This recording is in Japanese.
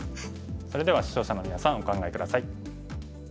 それでは視聴者のみなさんお考え下さい。